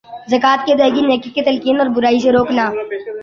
زکوۃ کی ادئیگی نیکی کی تلقین اور برائی سے روکنا